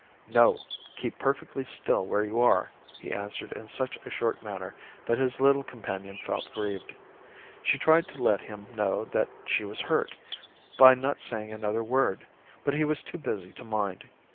"No, keep perfectly still where you are," he answered in such a short manner that his little companion felt grieved. She tried to let him know that she was hurt, by not saying another word, but he was too busy to mind.